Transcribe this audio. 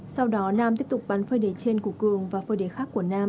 sau đó nam tiếp tục bắn phơi đề trên của cường và phơi đề khác của nam